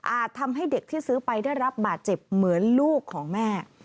ทำให้เด็กที่ซื้อไปได้รับบาดเจ็บเหมือนลูกของแม่